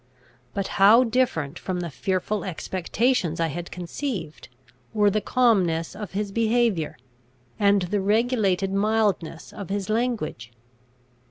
But how different from the fearful expectations I had conceived were the calmness of his behaviour, and the regulated mildness of his language!